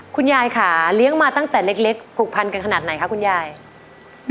คุณยายค่ะเลี้ยงมาตั้งแต่เล็กผูกพันกันขนาดไหนคะคุณยาย